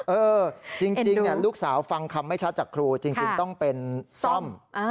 เออจริงลูกสาวฟังคำไม่ชัดจากครูจริงต้องเป็นซ่อม